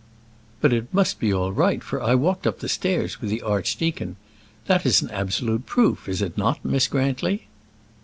"But it must be all right, for I walked up the stairs with the archdeacon. That is an absolute proof, is it not, Miss Grantly?"